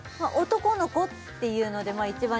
男の子っていうので一番